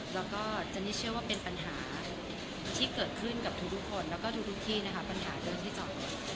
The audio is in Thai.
และจันนี่เชื่อว่าเป็นปัญหาที่เกิดขึ้นกับทุกคนและทุกที่ปัญหาเรื่องที่ส่อง